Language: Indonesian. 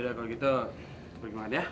kalau begitu kita pergi makan ya